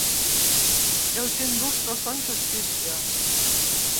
Els indults no són justícia!